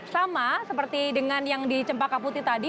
sama seperti dengan yang di cempaka putih tadi